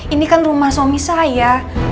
ini kan rumah suami saya